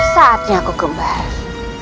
saatnya aku kembali